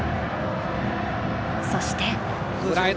そして。